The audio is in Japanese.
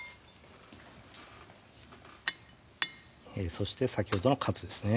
そして先ほどのカツですね